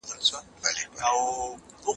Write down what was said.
په ټونس کي يوه ځوان ځان ته اور واچاوه.